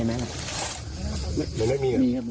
ไม่ได้มีครับ